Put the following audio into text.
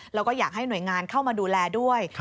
แล้วก็อยากให้หน่วยงานเข้ามาดูแลด้วย